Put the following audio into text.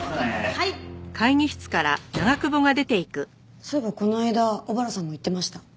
そういえばこの間小原さんも言ってました。